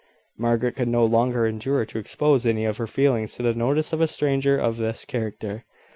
Margaret could no longer endure to expose any of her feelings to the notice of a stranger of this character.